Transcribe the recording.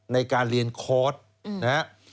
ในการเรียนคอร์ตนะ